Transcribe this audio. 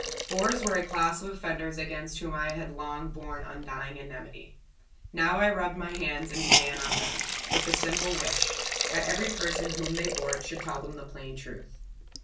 Bores were a class of offenders against whom I had long borne undying enmity. Now I rubbed my hands and began on them, with this simple wish: That every person whom they bored should tell them the plain truth.